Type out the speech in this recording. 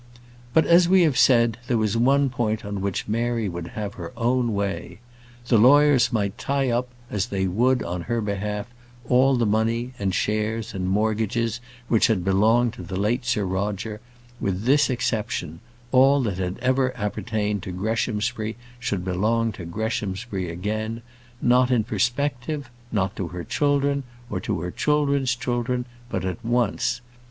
But, as we have said, there was one point on which Mary would have her own way. The lawyers might tie up as they would on her behalf all the money, and shares, and mortgages which had belonged to the late Sir Roger, with this exception, all that had ever appertained to Greshamsbury should belong to Greshamsbury again; not in perspective, not to her children, or to her children's children, but at once.